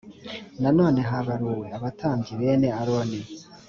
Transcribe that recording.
nanone habaruwe abatambyi bene aroni